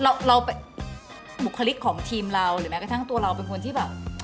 เราเราบุคลิกของทีมเราหรือแม้กระทั่งตัวเราเป็นคนที่แบบ